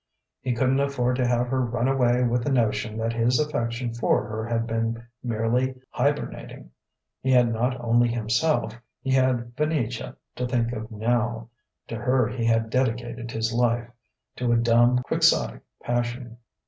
He couldn't afford to have her run away with the notion that his affection for her had been merely hibernating. He had not only himself, he had Venetia to think of, now. To her he had dedicated his life, to a dumb, quixotic passion.